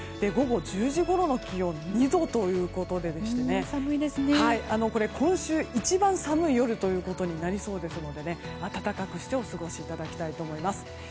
午後１０時ごろの気温が２度ということでしてこれは今週一番寒い夜となりそうですので暖かくしてお過ごしいただきたいと思います。